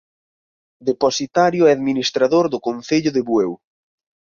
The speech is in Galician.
Depositario e administrador do concello de Bueu.